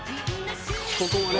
ここもね